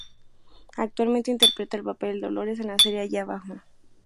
Actualmente interpreta el papel de "Dolores", en la serie "Allí abajo".